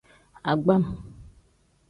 Agbam.